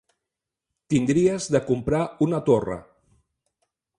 Tindries de comprar una torra.